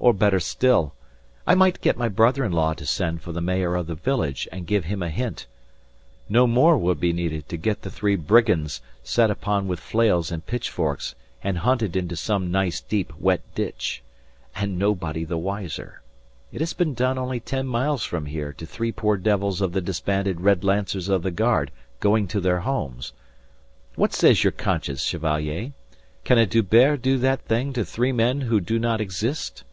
Or better still, I might get my brother in law to send for the mayor of the village and give him a hint. No more would be needed to get the three 'brigands' set upon with flails and pitchforks and hunted into some nice deep wet ditch. And nobody the wiser! It has been done only ten miles from here to three poor devils of the disbanded Red Lancers of the Guard going to their homes. What says your conscience, Chevalier? Can a D'Hubert do that thing to three men who do not exist?"